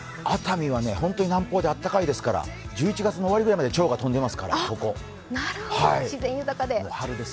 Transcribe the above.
熱海は本当に南方であったかいですから、１１月の終わりぐらいまでちょうが飛んでいますから。